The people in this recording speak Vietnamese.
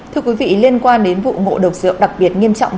thưa quý vị liên quan đến vụ ngộ độc rượu đặc biệt nghiêm trọng